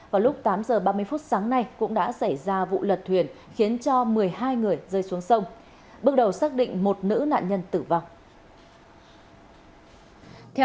vào lúc tám h ba mươi phút sáng nay cũng đã xảy ra vụ lật thuyền khiến cho một mươi hai người rơi xuống xe